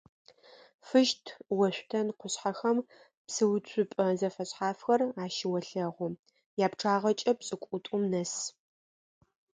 Фыщт-Ошъутен къушъхьэхэм псыуцупӏэ зэфэшъхьафхэр ащыолъэгъу, япчъагъэкӏэ пшӏыкӏутӏум нэс.